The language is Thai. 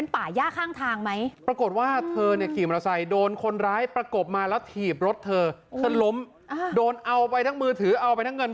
ไปทางเส้นทางเถอะ๓